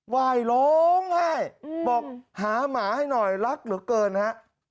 ไหว้ร้องไห้บอกหาหมาให้หน่อยรักเหลือเกินฮะ